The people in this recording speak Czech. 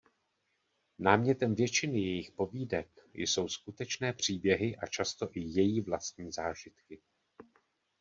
Námětem většiny jejích povídek jsou skutečné příběhy a často i její vlastní zážitky.